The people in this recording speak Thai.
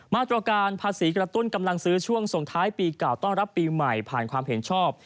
มาตรการภาษีกระตุ้นกำลังซื้อช่วงส่งท้ายปีเก่าต้อนรับปีใหม่ผ่านความเห็นชอบ